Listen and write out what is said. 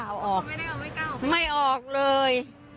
ไม่ได้ออกไม่กล้าออกไม่ออกเลย